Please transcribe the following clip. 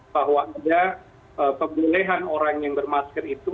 bahwa tidak pemulihan orang yang bermasker itu